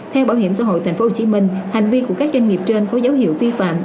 theo bảo hiểm xã hội thành phố hồ chí minh hành vi của các doanh nghiệp trên có dấu hiệu vi phạm